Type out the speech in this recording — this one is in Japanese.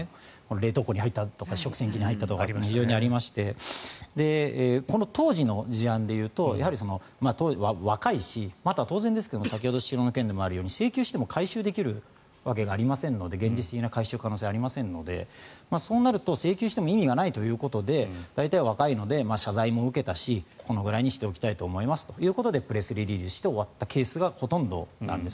冷凍庫に入ったとか食洗機に入ったとか非常にありましてこの当時の事案で言うと当時、若いし当然ですがスシローの件もありますが請求しても回収できるわけがありませんので現実的に回収できませんのでそうなると請求しても意味がないということで大体若いので謝罪も受けたしこのぐらいにしておきたいということでプレスリリースして終わったケースがほとんどなんです。